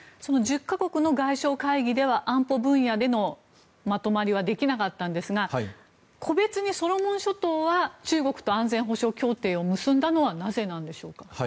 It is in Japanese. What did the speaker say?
１０か国の外相会議では安保分野でのまとまりはできなかったんですが個別にソロモン諸島は中国と安全保障協定を結んだのはなぜなんでしょうか？